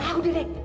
hah udah nek